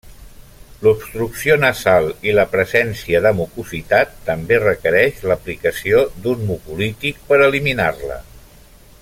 L'obstrucció nasal i la presència de mucositat també requereix l'aplicació d'un mucolític per eliminar-la.